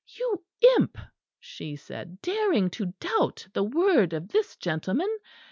"You imp!" she said, "daring to doubt the word of this gentleman.